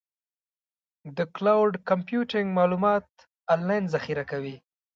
د کلاؤډ کمپیوټینګ معلومات آنلاین ذخیره کوي.